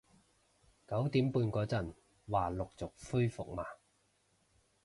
九點半嗰陣話陸續恢復嘛